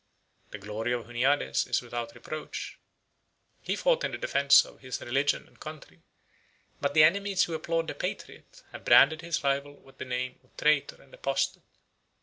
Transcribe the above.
The glory of Huniades is without reproach: he fought in the defence of his religion and country; but the enemies who applaud the patriot, have branded his rival with the name of traitor and apostate.